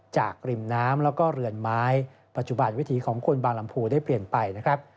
ริมน้ำแล้วก็เรือนไม้ปัจจุบันวิถีของคนบางลำพูได้เปลี่ยนไปนะครับ